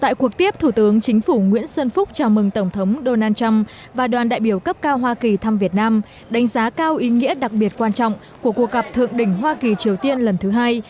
tại cuộc tiếp thủ tướng chính phủ nguyễn xuân phúc chào mừng tổng thống donald trump và đoàn đại biểu cấp cao hoa kỳ thăm việt nam đánh giá cao ý nghĩa đặc biệt quan trọng của cuộc gặp thượng đỉnh hoa kỳ triều tiên lần thứ hai